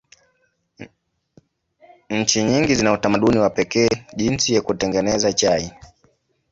Nchi nyingi zina utamaduni wa pekee jinsi ya kutengeneza chai.